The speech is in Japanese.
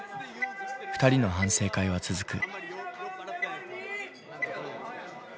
２人の反省会は続く。